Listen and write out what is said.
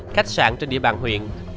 khách sạn trên địa bàn huyện